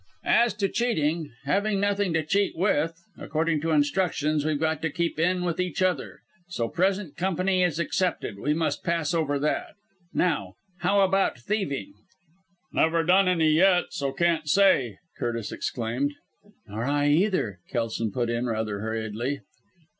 As to cheating having nothing to cheat with according to instructions we've got to keep in with each other, so present company is excepted we must pass over that. Now how about thieving!" "Never done any yet, so can't say," Curtis exclaimed. "Nor I either," Kelson put in rather hurriedly.